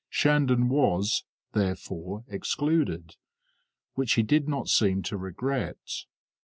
Shandon was, therefore, excluded, which he did not seem to regret.